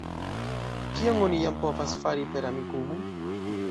Kion oni jam povas fari per Amikumu?